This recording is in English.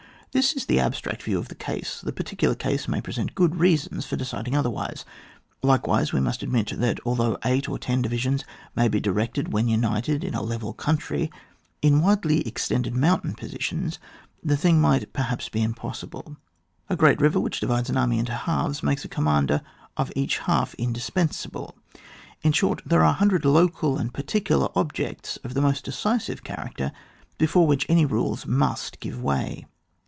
This is the abstract view of the case. The particular case may present good reasons for deciding otherwise. Likewise, we must admit that, although eight or ten divisions may be directed when united in a level country, in widely ex tended mountain positions the thing might perhaps be impossible. A g^at river which divides an army into halves, makes a commander for each half indis pensable ; in short, there are a hundred local and particular objects of the most decisive character, before which all rules must give way.